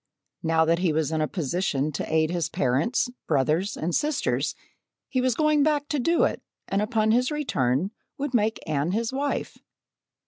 Now that he was in a position to aid his parents, brothers, and sisters, he was going back to do it and upon his return would make Anne his wife.